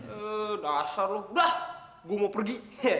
eh dasar lu udah gua mau pergi